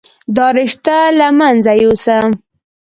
دا رشته له منځه يوسه.